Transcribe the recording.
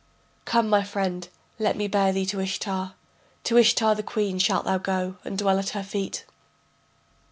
Come, my friend, let me bear thee to Ishtar, To Ishtar, the queen, shalt thou go, and dwell at her feet.